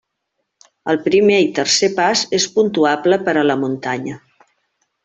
El primer i tercer pas és puntuable per a la muntanya.